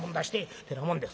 ってなもんです。